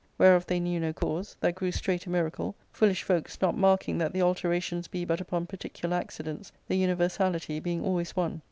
Whereof they knew no cause, that grew straight a miracle, foolish folks \ not marking that the alterations be but upon particular acci dents, the universality being always one.